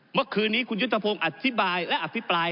เมื่อคืนนี้คุณยุทธพงศ์อธิบายและอภิปราย